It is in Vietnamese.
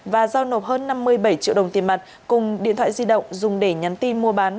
và giao nộp hơn năm mươi bảy triệu đồng tiền mặt cùng điện thoại di động dùng để nhắn tin mua bán